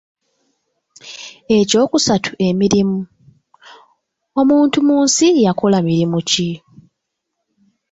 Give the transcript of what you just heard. Ekyokusatu emirimu, omuntu mu nsi yakola mirimu ki?